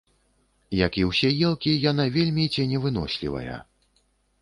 Як і ўсе елкі, яна вельмі ценевынослівая.